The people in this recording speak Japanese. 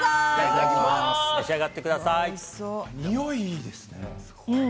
においいいですね。